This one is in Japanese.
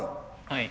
はい。